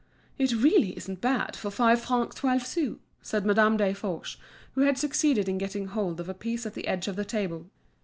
"It really isn't bad for five francs twelve sous," said Madame Desforges, who had succeeded in getting hold of a piece at the edge of the table.